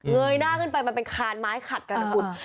ยหน้าขึ้นไปมันเป็นคานไม้ขัดกันนะคุณ